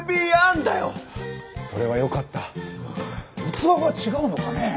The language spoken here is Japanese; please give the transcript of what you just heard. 器が違うのかねえ。